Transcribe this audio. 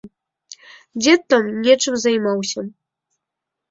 Дзед там нечым займаўся.